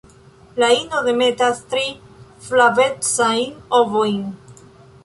La ino demetas tri flavecajn ovojn.